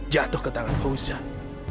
jatuh ke tangan pausan